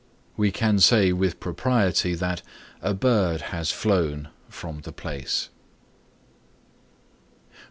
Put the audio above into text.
We can say with propriety that "A bird has flown from the place."